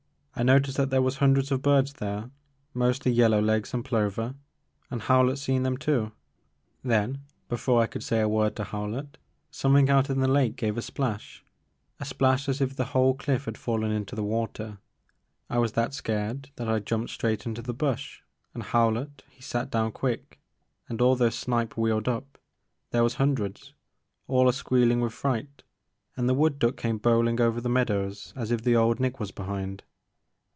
I noticed that there was hundreds of birds there, mostly yellow legs and plover, and Howlett seen (I tt The Maker of Moons. 4 5 them too. Then before I could say a word to Howlett, something out in the lake gave a splash — a splash as if the whole cliff had fallen into the water. I was that scared that I jumped straight into the bush and Howlett he sat down quick, and all those snipe wheeled up — there was hun dreds—all a squeeHn' with fright, and the wood duck came bowlin' over the meadows as if the old Nick was behind."